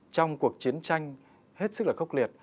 trong cuộc chiến tranh hết sức là khốc liệt